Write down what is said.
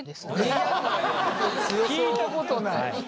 聞いたことない。